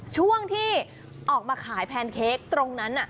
ช่วงที่ออกมาขายแพนเค้กตรงนั้น